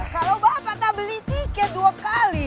kalau bapak tak beli tiket dua kali